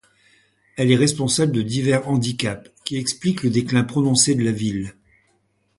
Elle est responsable de divers handicaps qui expliquent le déclin prononcé de la ville.